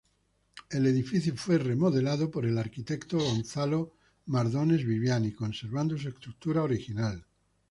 El edificio fue remodelado por el arquitecto Gonzalo Mardones Viviani, conservando su estructura original.